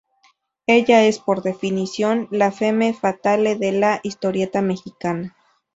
Ella es, por definición, la femme fatale de la historieta mexicana.